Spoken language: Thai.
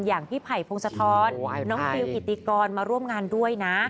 อย่างพี่ไผ่พงศธรน้องฟิลกิติกรมาร่วมงานด้วยนะ